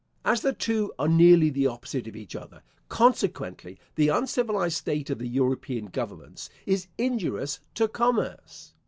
As the two are nearly the opposite of each other, consequently, the uncivilised state of the European governments is injurious to commerce.